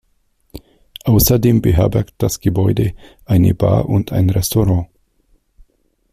Außerdem beherbergt das Gebäude eine Bar und ein Restaurant.